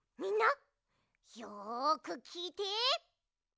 みんなよくきいて。